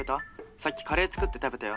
さっきカレー作って食べたよ。